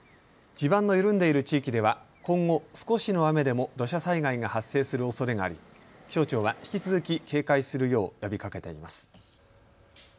地盤の緩んでいる地域では今後、少しの雨でも土砂災害が発生するおそれがあり気象庁は引き続き警戒するよう呼びかけています。